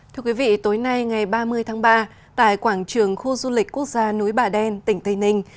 thưa quý vị tối nay ngày ba mươi tháng ba tại quảng trường khu du lịch quốc gia núi bà đen tỉnh tây ninh